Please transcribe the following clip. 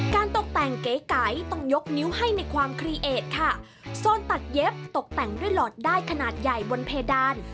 ตกแต่งเก๋ไก่ต้องยกนิ้วให้ในความครีเอทค่ะโซนตัดเย็บตกแต่งด้วยหลอดด้ายขนาดใหญ่บนเพดาน